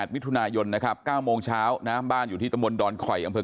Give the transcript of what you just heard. มิถุนายนนะครับ๙โมงเช้าน้ำบ้านอยู่ที่ตะมนตอนคอยอำเภอ